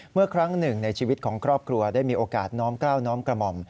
เมื่อครั้งหนึ่งในชีวิตของครอบครัวได้มีโอกาสน้อมกล้าวน้อมกระหม่อม